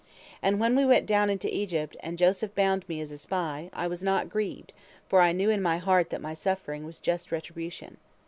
And when we went down into Egypt, and Joseph bound me as a spy, I was not grieved, for I knew in my heart that my suffering was just retribution.